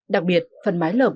đặc biệt phần mái lợp